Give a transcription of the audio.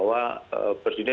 ya memang letting up ke brooklyn